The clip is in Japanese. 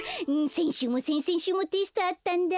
せんしゅうもせんせんしゅうもテストあったんだ。